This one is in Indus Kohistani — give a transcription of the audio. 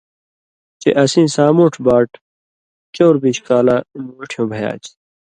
چے اسیں سامُوٹھ باٹ چؤر بِش کالہ مُوٹھیُوں بھیا چھی۔